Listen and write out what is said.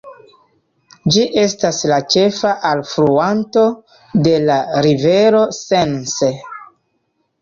Ĝi estas la ĉefa alfluanto de la rivero Sense.